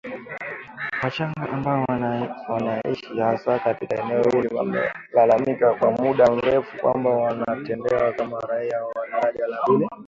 Wachaga ambao wanaishi hasa katika eneo hili wamelalamika kwa muda mrefu kwamba wanatendewa kama raia wa daraja la pili.